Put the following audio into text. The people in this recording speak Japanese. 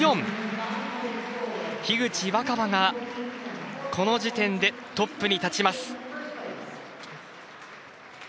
樋口新葉がこの時点でトップに立ちます。